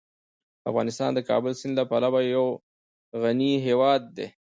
افغانستان د کابل سیند له پلوه یو غني هیواد دی.